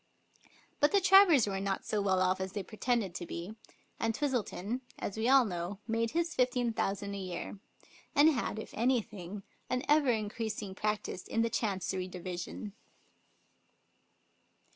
But the Travers were not so well off as they pretended to be, and Twistleton, as we all know, made his fifteen thousand a year, and had, if anything, an ever increasing practice in the Chancery Division.